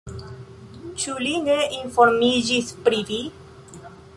Ĉu li ne informiĝis pri vi?